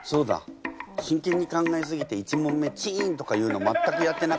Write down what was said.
真剣に考えすぎて１問目チンとか言うの全くやってなかった。